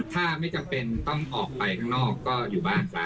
ถ้าไม่จำเป็นต้องออกไปข้างนอกก็อยู่บ้านซะ